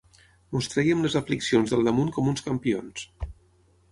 Ens trèiem les afliccions del damunt com uns campions.